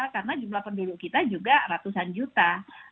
karena jumlah penduduk kita juga ratusan juta